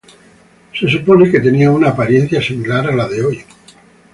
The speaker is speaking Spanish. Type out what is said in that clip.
Se supone que tenía una apariencia similar a la de hoy.